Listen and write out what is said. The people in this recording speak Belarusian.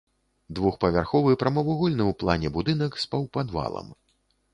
Двухпавярховы прамавугольны ў плане будынак з паўпадвалам.